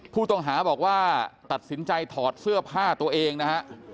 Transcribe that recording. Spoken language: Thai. ผู้ต้องหาบอกว่าตัดสินใจถอดเสื้อผ้าตัวเองนะฮะ